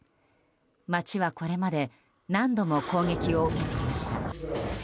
街はこれまで何度も攻撃を受けてきました。